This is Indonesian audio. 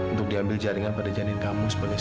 untuk diambil jaringan pada janin kamu sebagai sampel